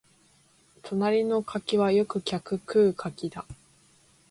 隣の柿はよく客食う柿だ